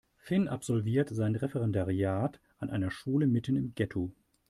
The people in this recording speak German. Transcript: Finn absolviert sein Referendariat an einer Schule mitten im Ghetto.